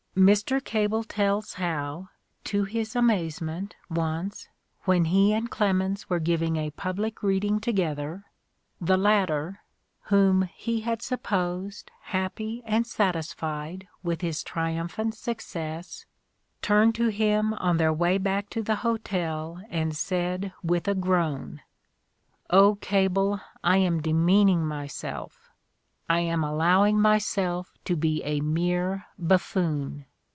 Mr. Cable tells how, to his amazement, once, when he and Clemens were giv ing a public reading together, the latter, whom he had supposed happy and satisfied with his triumphant suc cess, turned to him on their way back to the hotel and said with a groan, '' Oh, Cable, I am demeaning myself — I am allowing myself to be a mere buffoon.